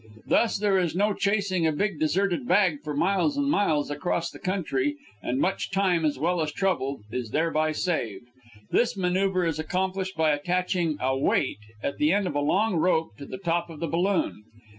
Thus there is no chasing a big deserted bag for miles and miles across the country, and much time, as well as trouble, is thereby saved. This maneuver is accomplished by attaching a weight, at the end of a long rope, to the top of the balloon.